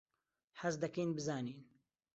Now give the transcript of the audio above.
حەز دەکەین بزانین.